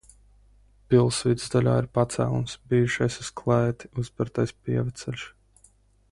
Pils vidusdaļā ir pacēlums – bijušais uz klēti uzbērtais pievedceļš.